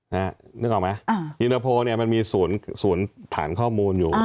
นึกออกไหมอินเตอร์โพลเนี่ยมันมีศูนย์ฐานข้อมูลอยู่